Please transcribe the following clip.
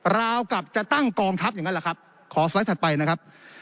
ราวกลับจะตั้งกองทัพอย่างนั้นแหละครับขอสไลด์ถัดไปนะครับ